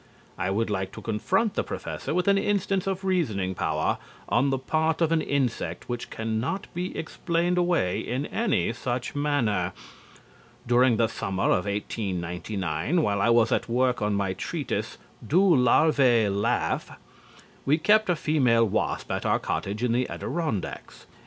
I would like to confront the Professor with an instance of reasoning power on the part of an insect which can not be explained away in any such manner. During the summer of 1899, while I was at work on my treatise "Do Larvae Laugh," we kept a female wasp at our cottage in the Adirondacks.